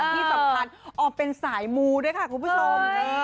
ที่สำคัญออกเป็นสายมูด้วยค่ะคุณผู้ชม